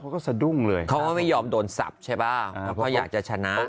เขาก็สะดุ้งเลยเขาไม่ยอมโดนสับใช่ป่าวเพราะอยากจะชนะ